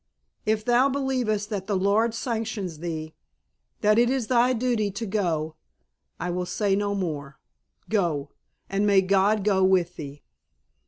If thou believest that the Lord sanctions thee, that it is thy duty to go, I will say no more; go, and may God go with thee."